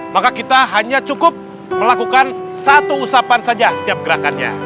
maka kita hanya cukup melakukan satu usapan saja setiap gerakannya